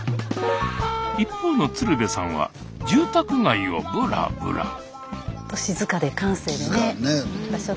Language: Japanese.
一方の鶴瓶さんは住宅街をブラブラスタジオ